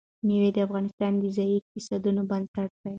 مېوې د افغانستان د ځایي اقتصادونو بنسټ دی.